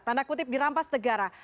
tanda kutip dirampas negara